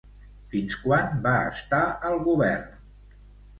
Fins quan va estar al govern?